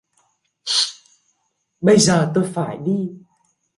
Bây giờ tôi phải đi